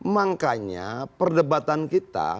makanya perdebatan kita